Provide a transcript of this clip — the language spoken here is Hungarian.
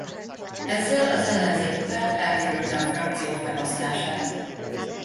Ezzel az ellenzéki párt elkerülte a frakció feloszlását.